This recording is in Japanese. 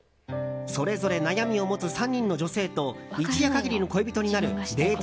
それぞれ悩みを持つ３人の女性と一夜限りの恋人になるデート